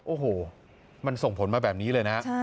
โอ้โหมันส่งผลมาแบบนี้เลยนะ